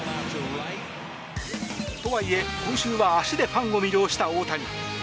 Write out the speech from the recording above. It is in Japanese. とはいえ、今週は足でファンを魅了した大谷。